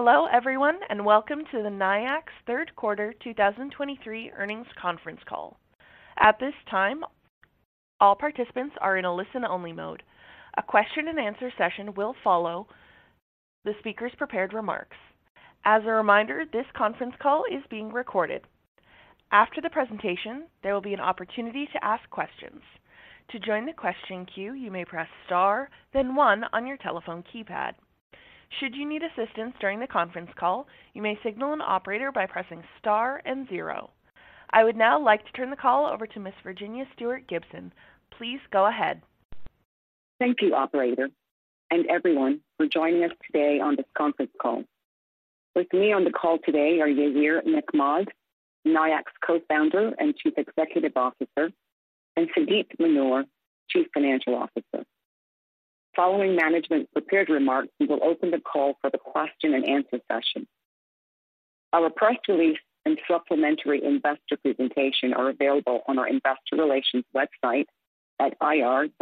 Hello everyone, and welcome to the Nayax Third Quarter 2023 Earnings Conference Call. At this time, all participants are in a listen-only mode. A question and answer session will follow the speaker's prepared remarks. As a reminder, this conference call is being recorded. After the presentation, there will be an opportunity to ask questions. To join the question queue, you may press star, then one on your telephone keypad. Should you need assistance during the conference call, you may signal an operator by pressing star and zero. I would now like to turn the call over to Miss Virginia Stuart-Gibson. Please go ahead. Thank you, operator, and everyone for joining us today on this conference call. With me on the call today are Yair Nechmad, Nayax Co-founder and Chief Executive Officer, and Sagit Manor, Chief Financial Officer. Following management prepared remarks, we will open the call for the question and answer session. Our press release and supplementary investor presentation are available on our investor relations website at ir.nayax.com.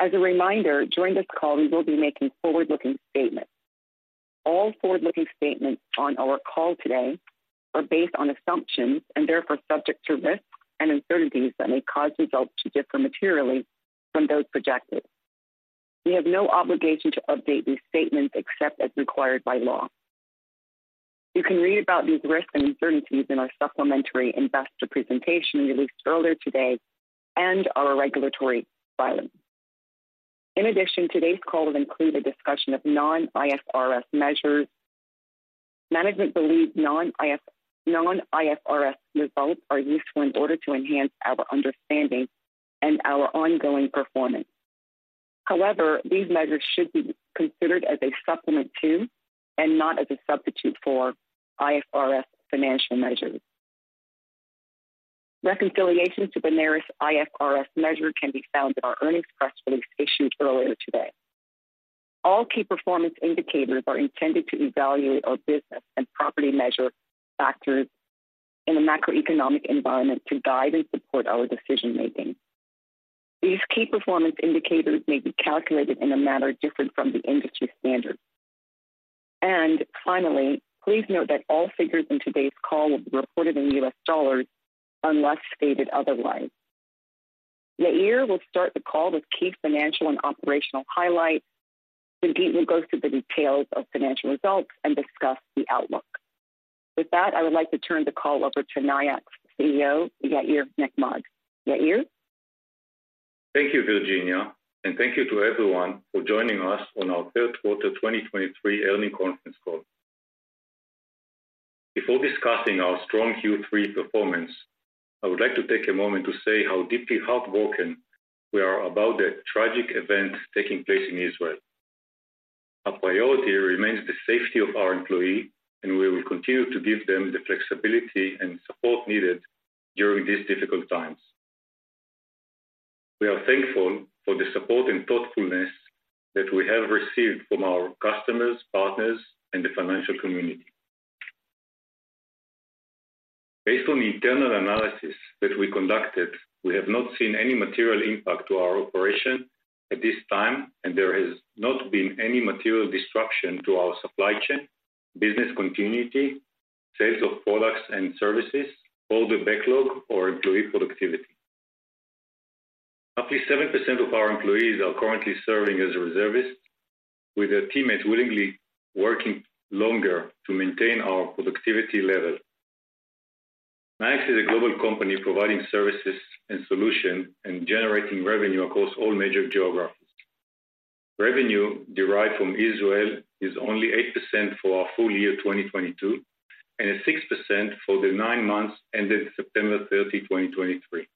As a reminder, during this call, we will be making forward-looking statements. All forward-looking statements on our call today are based on assumptions and therefore subject to risks and uncertainties that may cause results to differ materially from those projected. We have no obligation to update these statements except as required by law. You can read about these risks and uncertainties in our supplementary investor presentation released earlier today and our regulatory filings. In addition, today's call will include a discussion of non-IFRS measures. Management believes non-IFRS, non-IFRS results are useful in order to enhance our understanding and our ongoing performance. However, these measures should be considered as a supplement to and not as a substitute for IFRS financial measures. Reconciliations to the nearest IFRS measure can be found in our earnings press release issued earlier today. All key performance indicators are intended to evaluate our business and properly measure factors in the macroeconomic environment to guide and support our decision-making. These key performance indicators may be calculated in a manner different from the industry standard. Finally, please note that all figures in today's call will be reported in U.S. dollars, unless stated otherwise. Yair will start the call with key financial and operational highlights. Sagit will go through the details of financial results and discuss the outlook. With that, I would like to turn the call over to Nayax's CEO, Yair Nechmad. Yair? Thank you, Virginia, and thank you to everyone for joining us on our Third Quarter 2023 Earnings Conference Call. Before discussing our strong Q3 performance, I would like to take a moment to say how deeply heartbroken we are about the tragic events taking place in Israel. Our priority remains the safety of our employees, and we will continue to give them the flexibility and support needed during these difficult times. We are thankful for the support and thoughtfulness that we have received from our customers, partners, and the financial community. Based on the internal analysis that we conducted, we have not seen any material impact to our operations at this time, and there has not been any material disruption to our supply chain, business continuity, sales of products and services, order backlog, or employee productivity. Up to 7% of our employees are currently serving as reservists, with their teammates willingly working longer to maintain our productivity level. Nayax is a global company providing services and solutions and generating revenue across all major geographies. Revenue derived from Israel is only 8% for our full year 2022, and 6% for the 9 months ended September 30, 2023. As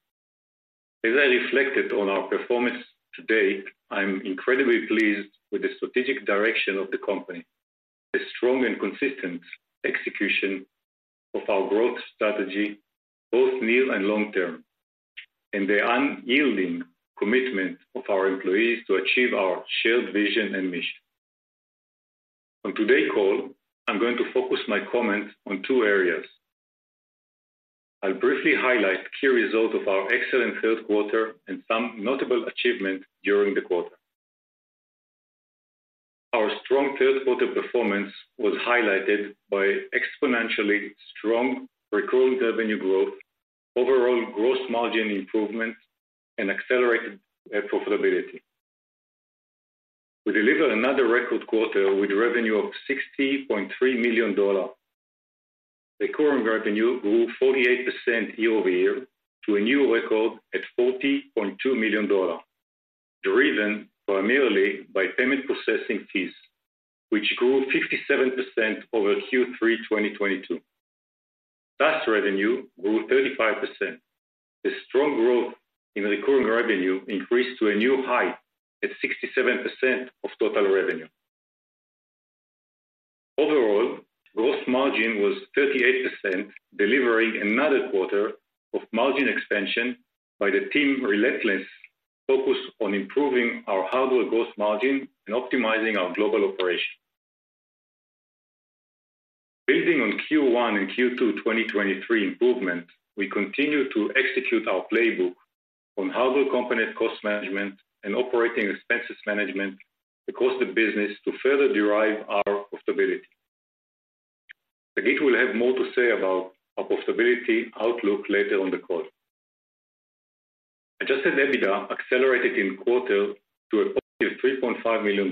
I reflected on our performance today, I'm incredibly pleased with the strategic direction of the company, the strong and consistent execution of our growth strategy, both near and long-term, and the unyielding commitment of our employees to achieve our shared vision and mission. On today's call, I'm going to focus my comments on two areas. I'll briefly highlight key results of our excellent third quarter and some notable achievements during the quarter. Our strong third quarter performance was highlighted by exponentially strong recurring revenue growth, overall gross margin improvement, and accelerated net profitability. We delivered another record quarter with revenue of $60.3 million. The current revenue grew 48% year-over-year to a new record at $40.2 million, driven primarily by payment processing fees, which grew 57% over Q3 2022. SaaS revenue grew 35%. The strong growth in recurring revenue increased to a new high at 67% of total revenue. Overall, gross margin was 38%, delivering another quarter of margin expansion by the team's relentless focus on improving our hardware gross margin and optimizing our global operations. Building on Q1 and Q2 2023 improvement, we continue to execute our playbook on hardware component cost management and operating expenses management across the business to further drive our profitability. Sagit will have more to say about our profitability outlook later on the call. Adjusted EBITDA accelerated in quarter to a +$3.5 million,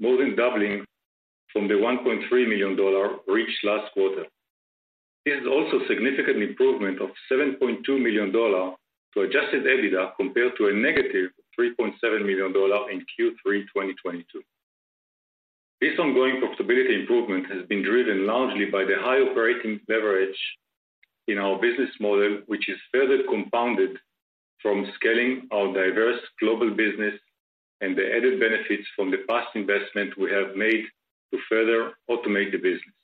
more than doubling from the $1.3 million reached last quarter. This is also a significant improvement of $7.2 million to adjusted EBITDA, compared to a -$3.7 million in Q3 2022. This ongoing profitability improvement has been driven largely by the high operating leverage in our business model, which is further compounded from scaling our diverse global business and the added benefits from the past investment we have made to further automate the business.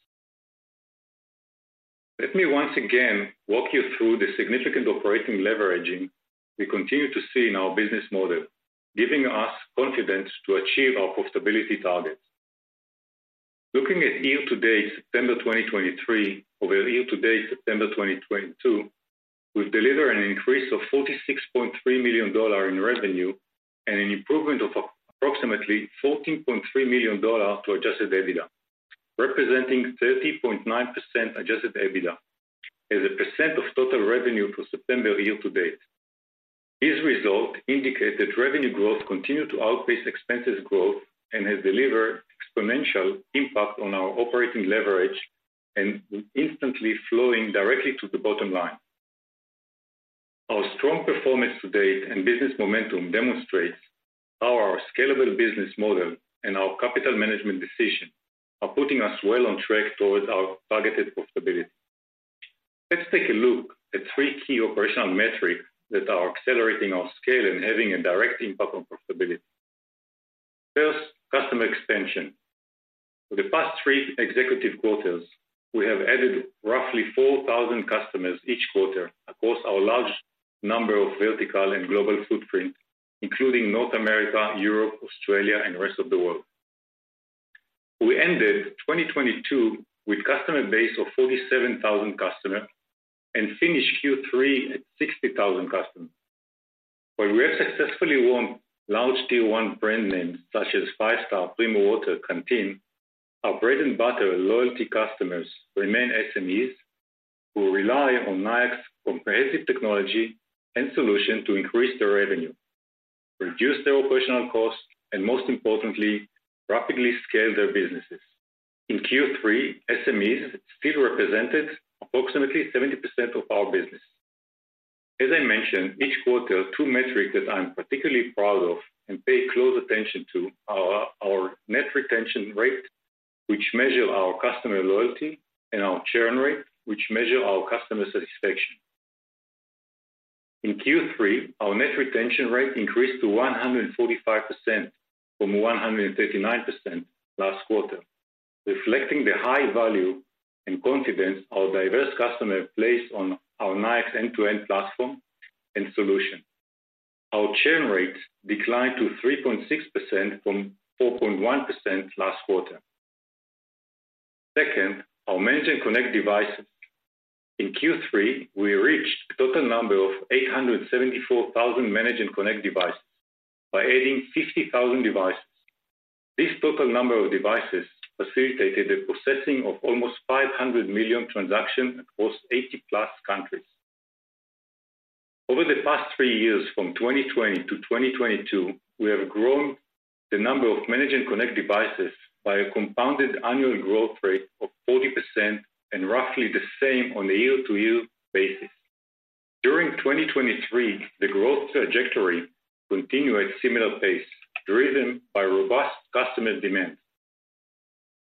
Let me once again walk you through the significant operating leveraging we continue to see in our business model, giving us confidence to achieve our profitability targets. Looking at year-to-date September 2023 over year-to-date September 2022, we've delivered an increase of $46.3 million in revenue and an improvement of approximately $14.3 million to adjusted EBITDA, representing 30.9% adjusted EBITDA as a percent of total revenue for September year-to-date. This result indicates that revenue growth continued to outpace expenses growth and has delivered exponential impact on our operating leverage and instantly flowing directly to the bottom line. Our strong performance to date and business momentum demonstrates how our scalable business model and our capital management decision are putting us well on track towards our targeted profitability. Let's take a look at three key operational metrics that are accelerating our scale and having a direct impact on profitability. First, customer expansion. For the past three executive quarters, we have added roughly 4,000 customers each quarter across our large number of verticals and global footprint, including North America, Europe, Australia, and the rest of the world. We ended 2022 with customer base of 47,000 customers and finished Q3 at 60,000 customers. While we have successfully won large Tier I brand names such as Five Star, Primo Water, Canteen, our bread and butter loyalty customers remain SMEs, who rely on Nayax comprehensive technology and solution to increase their revenue, reduce their operational costs, and most importantly, rapidly scale their businesses. In Q3, SMEs still represented approximately 70% of our business. As I mentioned, each quarter, two metrics that I'm particularly proud of and pay close attention to are our net retention rate, which measure our customer loyalty, and our churn rate, which measure our customer satisfaction. In Q3, our net retention rate increased to 145% from 139% last quarter, reflecting the high value and confidence our diverse customers place on our Nayax end-to-end platform and solution. Our churn rate declined to 3.6% from 4.1% last quarter. Second, our managed and connected devices. In Q3, we reached a total number of 874,000 managed and connected devices by adding 50,000 devices. This total number of devices facilitated the processing of almost 500 million transactions across 80+ countries. Over the past three years, from 2020 to 2022, we have grown the number of managed and connected devices by a compounded annual growth rate of 40% and roughly the same on a year-to-year basis. During 2023, the growth trajectory continued at similar pace, driven by robust customer demand.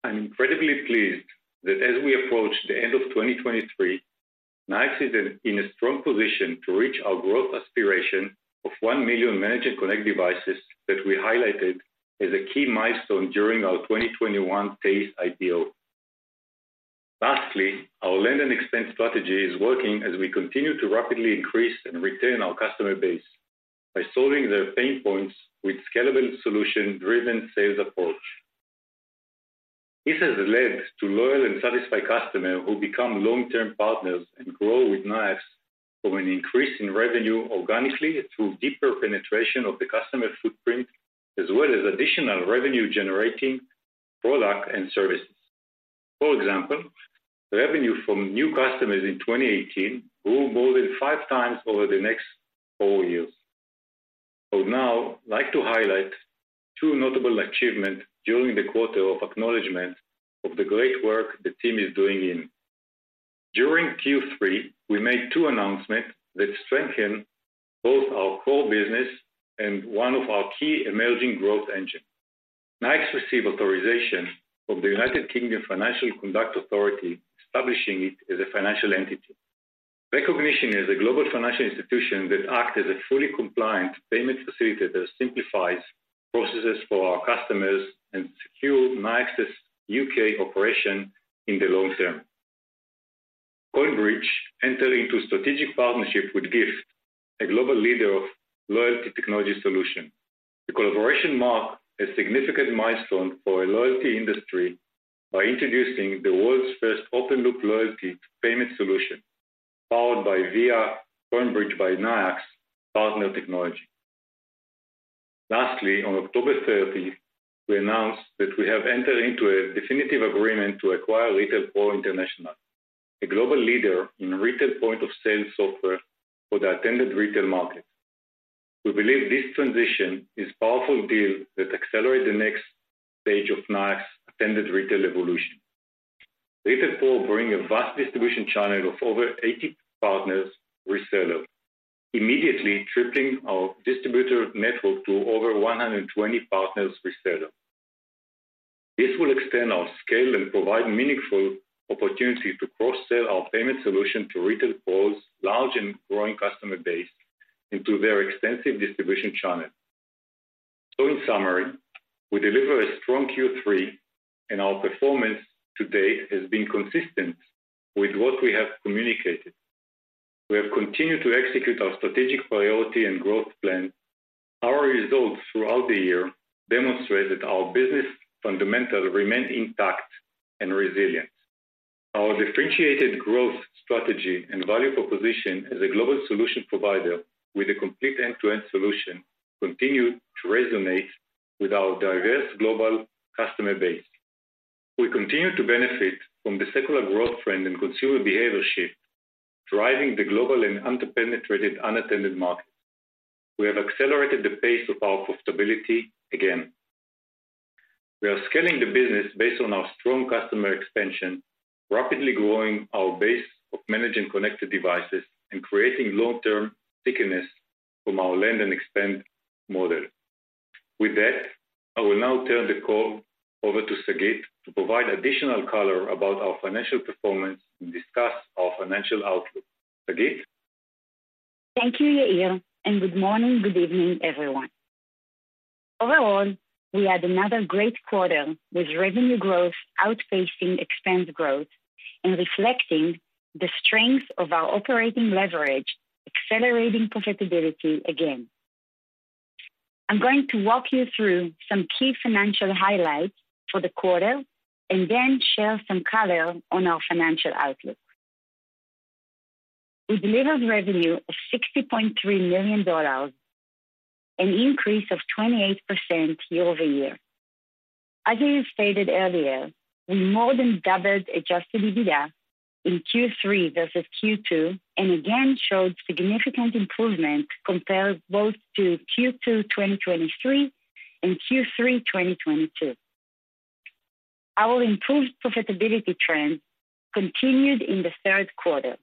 I'm incredibly pleased that as we approach the end of 2023, Nayax is in a strong position to reach our growth aspiration of 1 million managed and connected devices that we highlighted as a key milestone during our 2021 TASE IPO. Lastly, our land and expand strategy is working as we continue to rapidly increase and retain our customer base by solving their pain points with scalable solution-driven sales approach. This has led to loyal and satisfied customers who become long-term partners and grow with Nayax from an increase in revenue organically through deeper penetration of the customer footprint, as well as additional revenue-generating products and services. For example, revenue from new customers in 2018 grew more than 5x over the next four years. I would now like to highlight two notable achievements during the quarter, in acknowledgment of the great work the team is doing. During Q3, we made two announcements that strengthen both our core business and one of our key emerging growth engine. Nayax received authorization from the United Kingdom Financial Conduct Authority, establishing it as a financial entity. Recognition as a global financial institution that acts as a fully compliant payment facilitator simplifies processes for our customers and secures Nayax's U.K. operation in the long term. CoinBridge entered into a strategic partnership with Giift, a global leader of loyalty technology solution. The collaboration marked a significant milestone for our loyalty industry by introducing the world's first open loop loyalty payment solution, powered via CoinBridge by Nayax partner technology. Lastly, on October 30th, we announced that we have entered into a definitive agreement to acquire Retail Pro International, a global leader in retail point-of-sale software for the attended retail market. We believe this transaction is a powerful deal that accelerates the next stage of Nayax attended retail evolution. Retail Pro brings a vast distribution channel of over 80 partners resellers, immediately tripling our distributor network to over 120 partners reseller. This will extend our scale and provide meaningful opportunity to cross-sell our payment solution to Retail Pro's large and growing customer base into their extensive distribution channel. So in summary, we delivered a strong Q3, and our performance to date has been consistent with what we have communicated. We have continued to execute our strategic priority and growth plan. Our results throughout the year demonstrate that our business fundamentals remain intact and resilient. Our differentiated growth strategy and value proposition as a global solution provider with a complete end-to-end solution, continued to resonate with our diverse global customer base. We continue to benefit from the secular growth trend and consumer behavior shift, driving the global and underpenetrated unattended market. We have accelerated the pace of our profitability again. We are scaling the business based on our strong customer expansion, rapidly growing our base of Managed and Connected Devices, and creating long-term stickiness from our land and expand model. With that, I will now turn the call over to Sagit to provide additional color about our financial performance and discuss our financial outlook. Sagit? Thank you, Yair, and good morning, good evening, everyone. Overall, we had another great quarter, with revenue growth outpacing expense growth and reflecting the strength of our operating leverage, accelerating profitability again. I'm going to walk you through some key financial highlights for the quarter and then share some color on our financial outlook. We delivered revenue of $60.3 million, an increase of 28% year-over-year. As Yair stated earlier, we more than doubled adjusted EBITDA in Q3 versus Q2, and again showed significant improvement compared both to Q2 2023 and Q3 2022. Our improved profitability trend continued in the third quarter.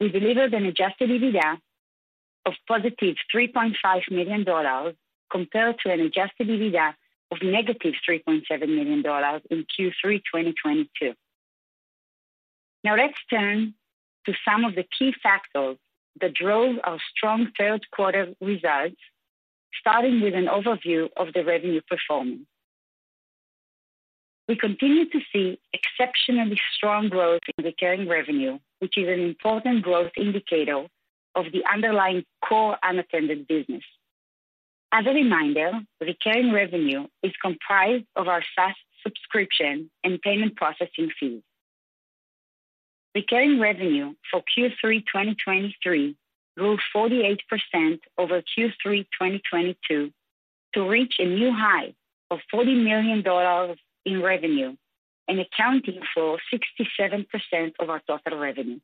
We delivered an adjusted EBITDA of +$3.5 million, compared to an adjusted EBITDA of -$3.7 million in Q3 2022. Now, let's turn to some of the key factors that drove our strong third quarter results, starting with an overview of the revenue performance. We continue to see exceptionally strong growth in recurring revenue, which is an important growth indicator of the underlying core unattended business. As a reminder, recurring revenue is comprised of our SaaS subscription and payment processing fees. Recurring revenue for Q3 2023 grew 48% over Q3 2022, to reach a new high of $40 million in revenue and accounting for 67% of our total revenue.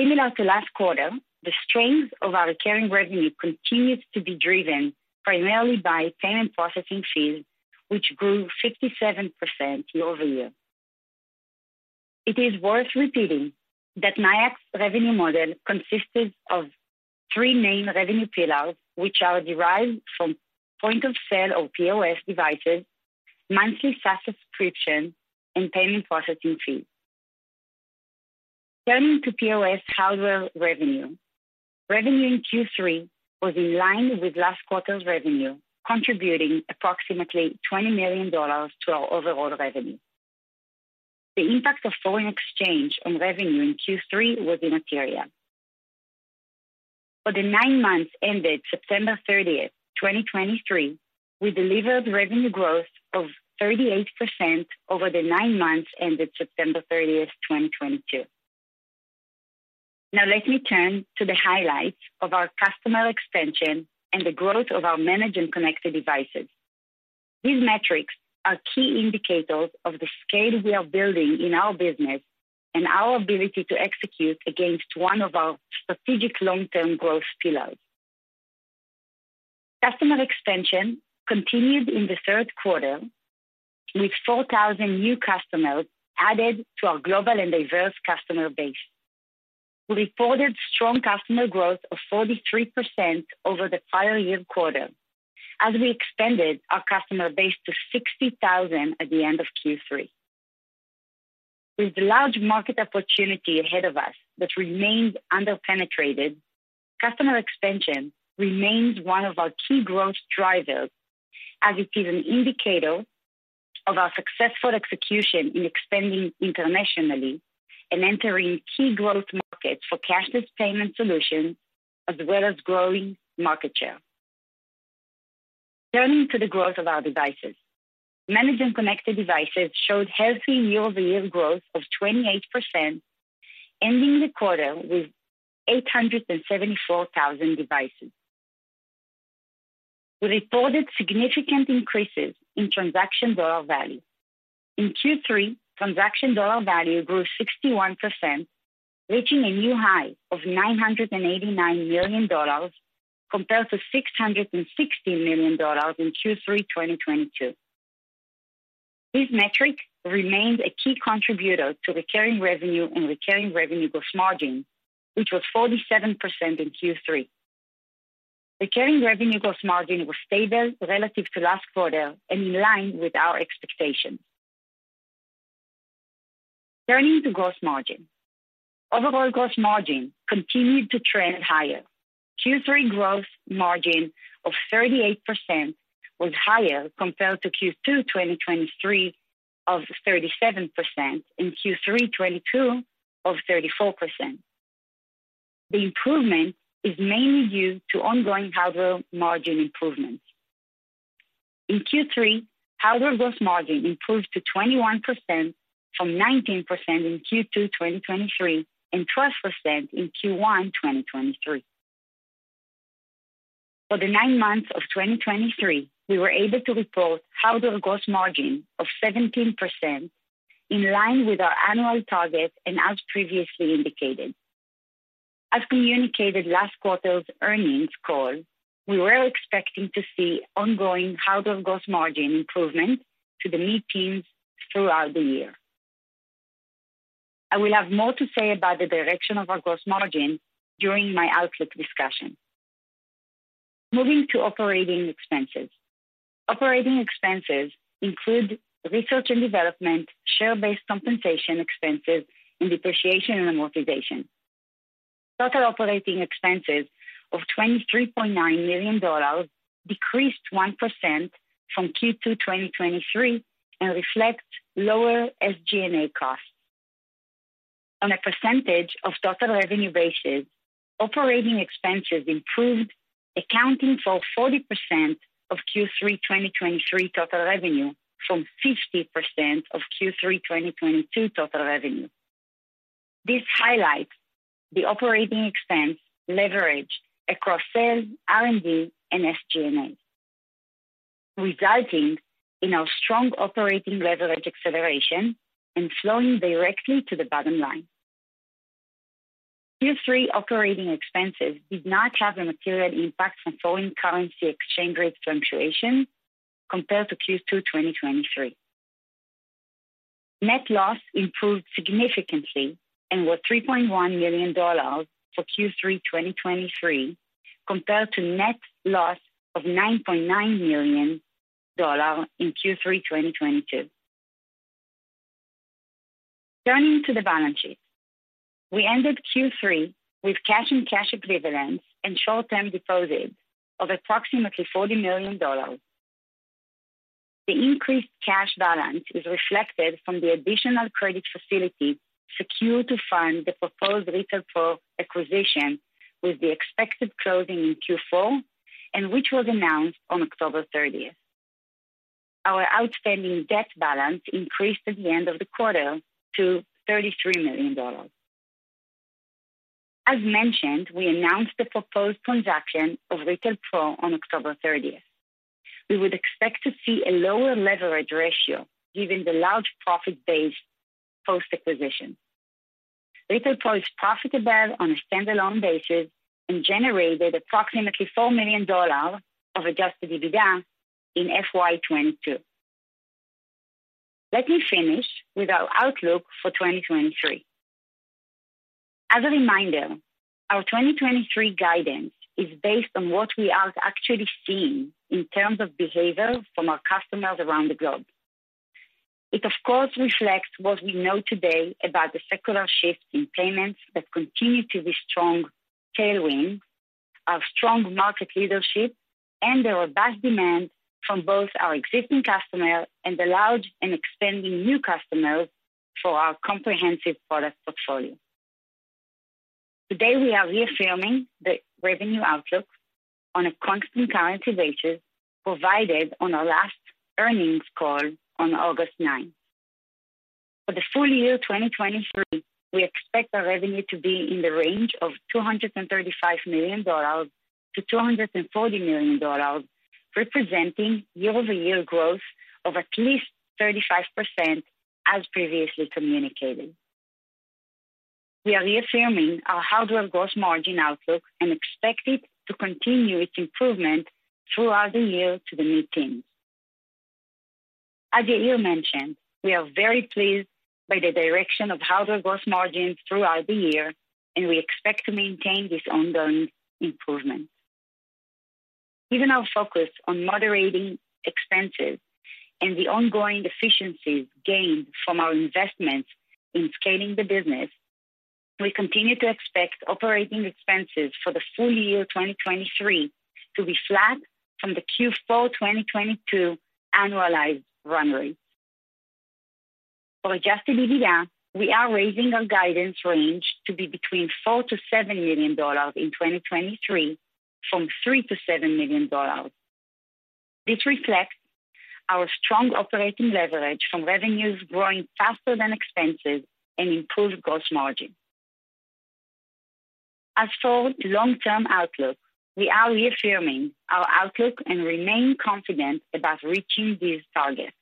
Similar to last quarter, the strength of our recurring revenue continues to be driven primarily by payment processing fees, which grew 57% year-over-year. It is worth repeating that Nayax revenue model consisted of three main revenue pillars, which are derived from point of sale or POS devices, monthly SaaS subscription, and Payment Processing fees. Turning to POS hardware revenue. Revenue in Q3 was in line with last quarter's revenue, contributing approximately $20 million to our overall revenue. The impact of foreign exchange on revenue in Q3 was immaterial. For the 9 months ended September 30, 2023, we delivered revenue growth of 38% over the 9 months ended September 30, 2022. Now, let me turn to the highlights of our customer expansion and the growth of our managed and connected devices. These metrics are key indicators of the scale we are building in our business and our ability to execute against one of our strategic long-term growth pillars. Customer expansion continued in the third quarter, with 4,000 new customers added to our global and diverse customer base. We reported strong customer growth of 43% over the prior year quarter, as we expanded our customer base to 60,000 at the end of Q3. With the large market opportunity ahead of us that remains underpenetrated, customer expansion remains one of our key growth drivers as it is an indicator of our successful execution in expanding internationally and entering key growth markets for cashless payment solutions, as well as growing market share. Turning to the growth of our devices. Managed and Connected Devices showed healthy year-over-year growth of 28%, ending the quarter with 874,000 devices. We reported significant increases in Transaction Dollar Value. In Q3, Transaction Dollar Value grew 61%, reaching a new high of $989 million, compared to $660 million in Q3 2022. This metric remains a key contributor to recurring revenue and recurring revenue gross margin, which was 47% in Q3. Recurring revenue gross margin was stable relative to last quarter and in line with our expectations. Turning to gross margin. Overall gross margin continued to trend higher. Q3 gross margin of 38% was higher compared to Q2 2023 of 37%, in Q3 2022 of 34%. The improvement is mainly due to ongoing hardware margin improvements. In Q3, hardware gross margin improved to 21% from 19% in Q2 2023, and 12% in Q1 2023. For the 9 months of 2023, we were able to report hardware gross margin of 17%, in line with our annual target and as previously indicated. As communicated last quarter's earnings call, we were expecting to see ongoing hardware margin improvements to the mid-teens throughout the year. I will have more to say about the direction of our gross margin during my outlook discussion. Moving to operating expenses. Operating expenses include research and development, share-based compensation expenses, and depreciation and amortization. Total operating expenses of $23.9 million decreased 1% from Q2 2023, and reflects lower SG&A costs. On a percentage of total revenue basis, operating expenses improved, accounting for 40% of Q3 2023 total revenue, from 50% of Q3 2022 total revenue. This highlights the operating expense leverage across sales, R&D, and SG&A, resulting in our strong operating leverage acceleration and flowing directly to the bottom line. Q3 operating expenses did not have a material impact from foreign currency exchange rate fluctuations compared to Q2 2023. Net loss improved significantly and was $3.1 million for Q3 2023, compared to net loss of $9.9 million in Q3 2022. Turning to the balance sheet. We ended Q3 with cash and cash equivalents and short-term deposits of approximately $40 million. The increased cash balance is reflected from the additional credit facility secured to fund the proposed Retail Pro acquisition, with the expected closing in Q4, and which was announced on October 30. Our outstanding debt balance increased at the end of the quarter to $33 million. As mentioned, we announced the proposed transaction of Retail Pro on October 30. We would expect to see a lower leverage ratio given the large profit base post-acquisition. Retail Pro is profitable on a standalone basis and generated approximately $4 million of adjusted EBITDA in FY 2022. Let me finish with our outlook for 2023. As a reminder, our 2023 guidance is based on what we are actually seeing in terms of behavior from our customers around the globe. It of course reflects what we know today about the secular shifts in payments that continue to be strong tailwind, our strong market leadership, and the robust demand from both our existing customers and the large and expanding new customers for our comprehensive product portfolio. Today, we are reaffirming the revenue outlook on a constant currency basis, provided on our last earnings call on August 9. For the full year 2023, we expect our revenue to be in the range of $235 million-$240 million, representing year-over-year growth of at least 35%, as previously communicated. We are reaffirming our hardware gross margin outlook and expect it to continue its improvement throughout the year to the mid-teens. As Yair mentioned, we are very pleased by the direction of hardware gross margins throughout the year, and we expect to maintain this ongoing improvement. Given our focus on moderating expenses and the ongoing efficiencies gained from our investments in scaling the business. We continue to expect operating expenses for the full year 2023 to be flat from the Q4 2022 annualized run rate. For adjusted EBITDA, we are raising our guidance range to be between $4 million-$7 million in 2023, from $3 million-$7 million. This reflects our strong operating leverage from revenues growing faster than expenses and improved gross margin. As for long-term outlook, we are reaffirming our outlook and remain confident about reaching these targets.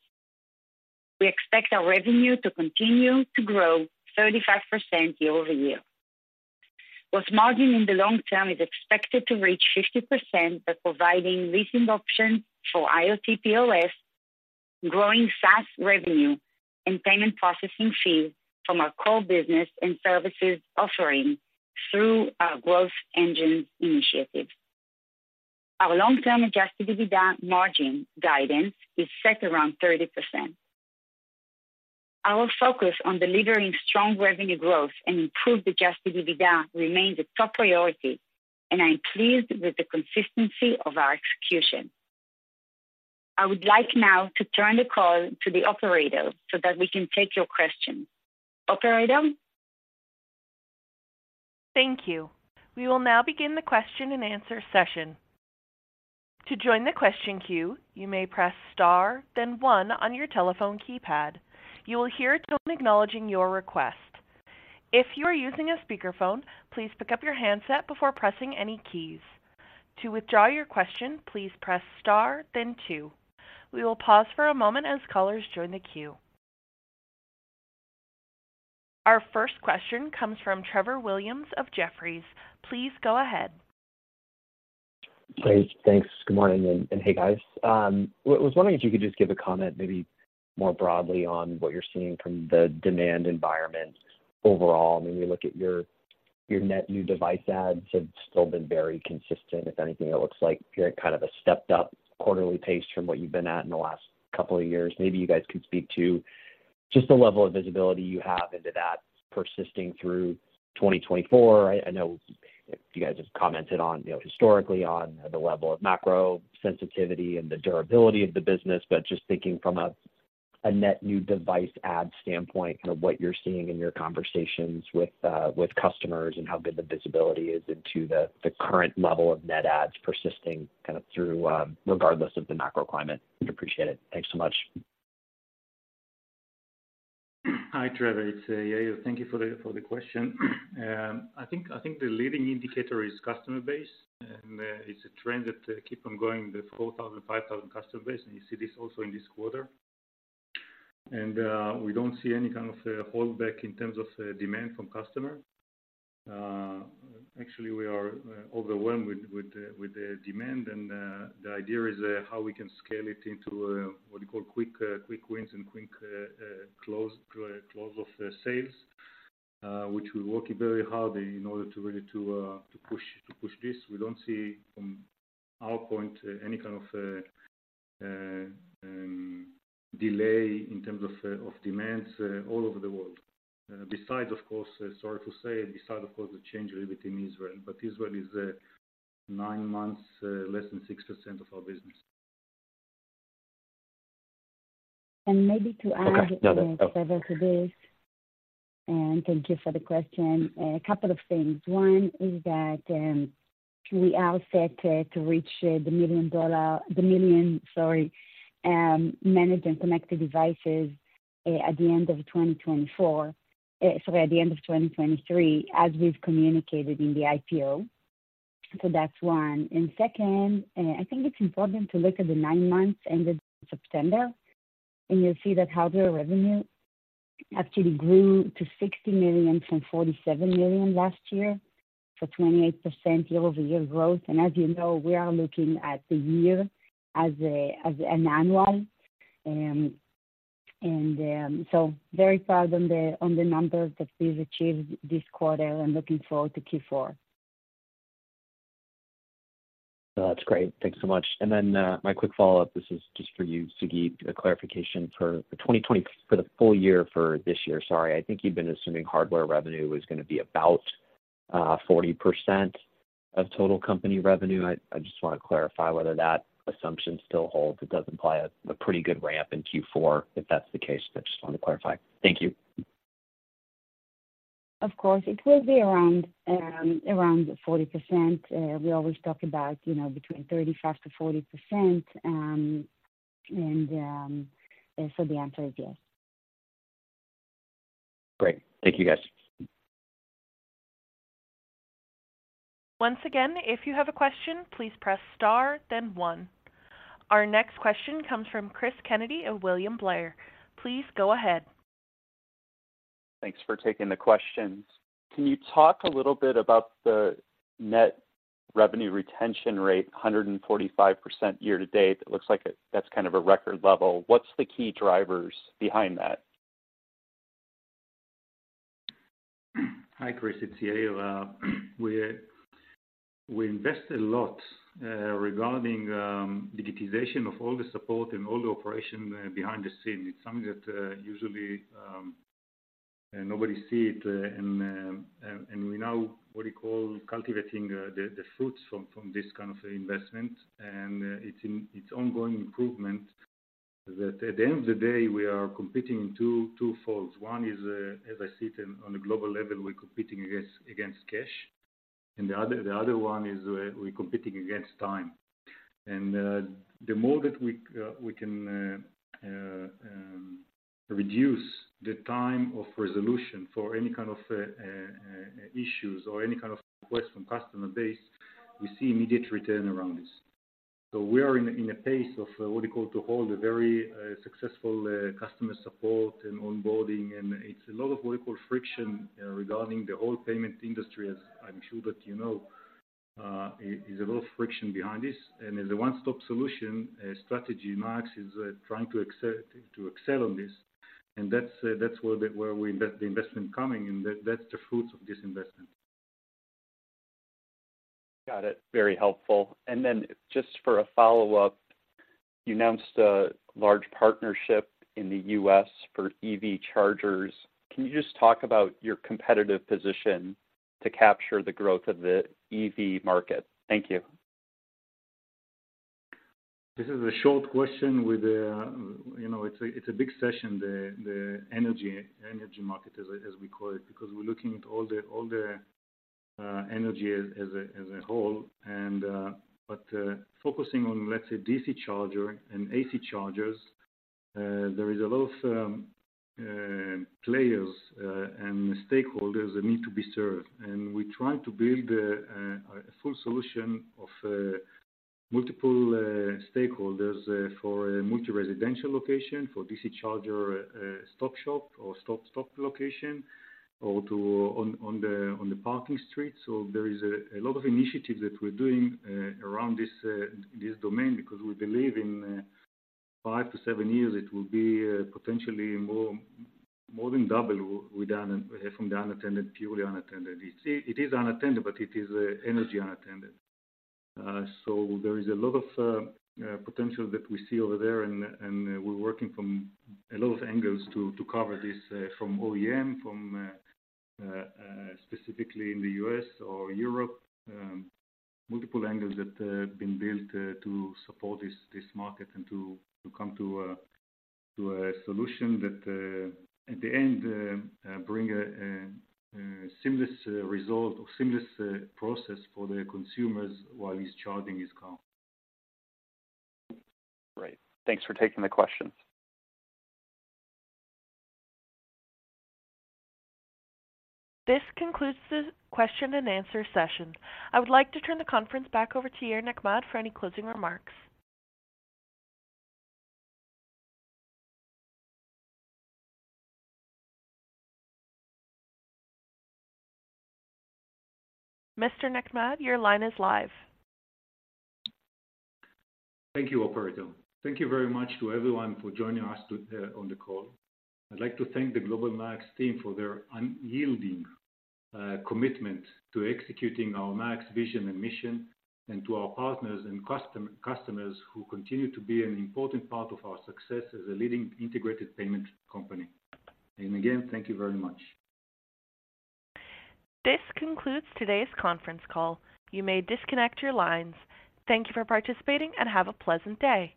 We expect our revenue to continue to grow 35% year-over-year. Gross margin in the long term is expected to reach 50% by providing leasing options for IoT POS, growing SaaS revenue, and Payment Processing fees from our core business and services offerings through our growth engine initiative. Our long-term adjusted EBITDA margin guidance is set around 30%. Our focus on delivering strong revenue growth and improved adjusted EBITDA remains a top priority, and I am pleased with the consistency of our execution. I would like now to turn the call to the operator so that we can take your questions. Operator? Thank you. We will now begin the question-and-answer session. To join the question queue, you may press star, then one on your telephone keypad. You will hear a tone acknowledging your request. If you are using a speakerphone, please pick up your handset before pressing any keys. To withdraw your question, please press star then two. We will pause for a moment as callers join the queue. Our first question comes from Trevor Williams of Jefferies. Please go ahead. Great, thanks. Good morning, and hey, guys. I was wondering if you could just give a comment, maybe more broadly, on what you're seeing from the demand environment overall. I mean, we look at your net new device adds have still been very consistent. If anything, it looks like you're at kind of a stepped up quarterly pace from what you've been at in the last couple of years. Maybe you guys could speak to just the level of visibility you have into that persisting through 2024? I know you guys have commented on, you know, historically on the level of macro sensitivity and the durability of the business, but just thinking from a net new device add standpoint, kind of what you're seeing in your conversations with customers and how good the visibility is into the current level of net adds persisting kind of through, regardless of the macro climate? We'd appreciate it. Thanks so much. Hi, Trevor. It's Yair. Thank you for the, for the question. I think, I think the leading indicator is customer base, and, it's a trend that keep on going, the 4,000-5,000 customer base, and you see this also in this quarter. And, we don't see any kind of, holdback in terms of, demand from customer. Actually, we are overwhelmed with, with, with the demand, and, the idea is, how we can scale it into, what we call quick, quick wins and quick, close, close of, sales, which we're working very hard in order to really to, to push, to push this. We don't see from our point, any kind of, delay in terms of, of demand, all over the world. Sorry to say, besides, of course, the change a little bit in Israel, but Israel is 9 months less than 6% of our business. Maybe to add... Okay. No, that... Trevor, to this, and thank you for the question. A couple of things. One is that, we are set to reach the million dollar, the million - sorry, managed and connected devices, at the end of 2024, sorry, at the end of 2023, as we've communicated in the IPO. So that's one. And second, I think it's important to look at the 9 months ended September, and you'll see that hardware revenue actually grew to $60 million from $47 million last year, for 28% year-over-year growth. And as you know, we are looking at the year as a, as an annual. And, so very proud on the, on the numbers that we've achieved this quarter and looking forward to Q4. That's great. Thanks so much. And then, my quick follow-up, this is just for you, Sagit, a clarification. For the 2020 full year for this year, sorry, I think you've been assuming hardware revenue was going to be about 40% of total company revenue. I just want to clarify whether that assumption still holds. It does imply a pretty good ramp in Q4, if that's the case, but just wanted to clarify? Thank you. Of course, it will be around 40%. We always talk about, you know, between 35%+ to 40%, and so the answer is yes. Great. Thank you, guys. Once again, if you have a question, please press star then one. Our next question comes from Chris Kennedy of William Blair. Please go ahead. Thanks for taking the questions. Can you talk a little bit about the net revenue retention rate, 145% year-to-date? It looks like that's kind of a record level. What's the key drivers behind that? Hi, Chris, it's Yair. We invest a lot, regarding, digitization of all the support and all the operation behind the scene. It's something that, usually, nobody see it, and, and we now, what do you call, cultivating, the fruits from, this kind of investment. And, it's ongoing improvement, that at the end of the day, we are competing two, twofolds. One is, as I sit in, on a global level, we're competing against, against cash, and the other, the other one is, we're competing against time. And, the more that we, we can, reduce the time of resolution for any kind of, issues or any kind of request from customer base, we see immediate return around this. So we are in a, in a pace of, what do you call, to hold a very, successful, customer support and onboarding, and it's a lot of, what do you call, friction, regarding the whole payment industry, as I'm sure that you know. is a lot of friction behind this, and as a one-stop solution, strategy, Nayax is, trying to excel, to excel on this. And that's, that's where the, where we invest, the investment coming, and that's the fruits of this investment. Got it. Very helpful. And then just for a follow-up, you announced a large partnership in the U.S. for EV chargers. Can you just talk about your competitive position to capture the growth of the EV market? Thank you. This is a short question with, you know, it's a big session, the energy market, as we call it, because we're looking at all the energy as a whole. But focusing on, let's say, DC charger and AC chargers, there is a lot of players and stakeholders that need to be served. We try to build a full solution of multiple stakeholders for a multi-residential location, for DC charger, stop shop or stop location, or two on the parking street. So there is a lot of initiatives that we're doing around this domain, because we believe in 5-7 years, it will be potentially more than double from the unattended, purely unattended. It is unattended, but it is energy unattended. So there is a lot of potential that we see over there, and we're working from a lot of angles to cover this from OEM, specifically in the U.S. or Europe. Multiple angles that have been built to support this market and to come to a solution that at the end bring a seamless result or seamless process for the consumers while he's charging his car. Great. Thanks for taking the questions. This concludes the question and answer session. I would like to turn the conference back over to Yair Nechmad for any closing remarks. Mr. Nechmad, your line is live. Thank you, operator. Thank you very much to everyone for joining us to on the call. I'd like to thank the Global Nayax team for their unyielding commitment to executing our Nayax vision and mission, and to our partners and customers who continue to be an important part of our success as a leading Integrated Payment company. And again, thank you very much. This concludes today's conference call. You may disconnect your lines. Thank you for participating, and have a pleasant day.